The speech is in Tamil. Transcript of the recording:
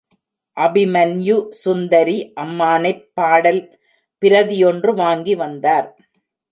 அபிமன்யு சுந்தரி அம்மானைப் பாடல் பிரதியொன்று வாங்கி வந்தார்.